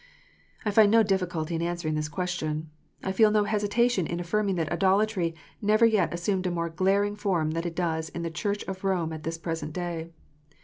I find no difficulty in answering this question. I feel no hesitation in affirming that idolatry never yet assumed a more glaring form than it does in the Clmrcli of Rome at this present day.